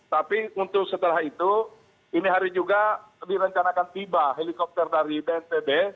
tapi untuk setelah itu ini hari juga direncanakan tiba helikopter dari bnpb